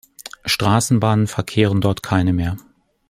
Straßenbahnen verkehren dort keine mehr.